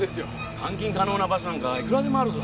監禁可能な場所なんかいくらでもあるぞ。